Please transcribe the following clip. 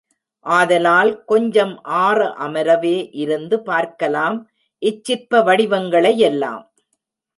ஆதலால் கொஞ்சம் ஆற ஆமரவே இருந்து பார்க்கலாம் இச்சிற்ப வடிவங்களையெல்லாம்.